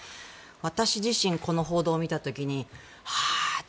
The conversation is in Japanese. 私自身、この報道を見た時にあーって。